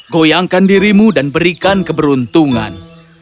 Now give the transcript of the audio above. goyangkan dirimu dan berikan keberuntungan